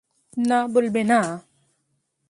না, বলবে না।